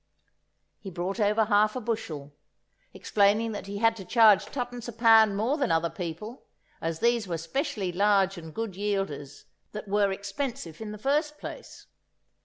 He brought over half a bushel, explaining that he had to charge twopence a pound more than other people, as these were specially large and good yielders, that were expensive in the first place.